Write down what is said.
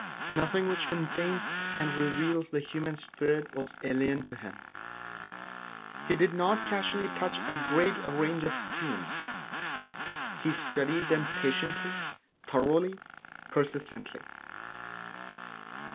Nothing which contains and reveals the human spirit was alien to him. He did not casually touch a great range of themes; he studied them patiently, thoroughly, persistently.